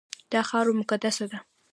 دا خاوره مقدسه ده.